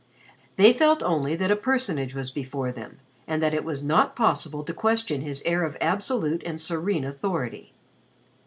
They felt only that a personage was before them, and that it was not possible to question his air of absolute and serene authority.